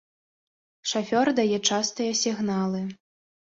Шафёр дае частыя сігналы.